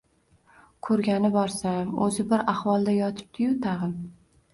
Ko`rgani borsam, o`zi bir ahvolda yotibdi-yu, tag`in